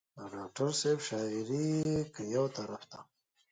د ډاکټر صېب شاعري کۀ يو طرف ته